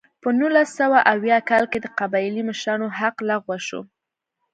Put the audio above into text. په نولس سوه اویا کال کې د قبایلي مشرانو حق لغوه شو.